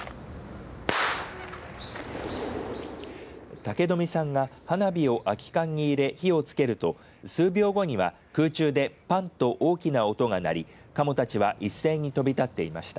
武富さんが花火を空き缶に入れ火をつけると数秒後には空中でパンと大きな音が鳴りかもたちは一斉に飛び立っていました。